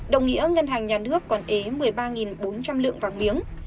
đồng nghĩa ngân hàng nhà nước còn ý một mươi ba bốn trăm linh lượng vàng miếng